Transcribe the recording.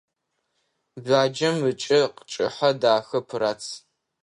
Баджэм ыкӏэ кӏыхьэ, дахэ, пырац.